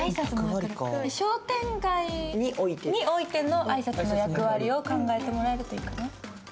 商店街においての挨拶の役割を考えてもらえるといいかな。